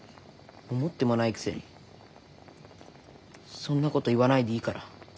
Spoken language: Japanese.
思ってもないくせにそんなこと言わないでいいから。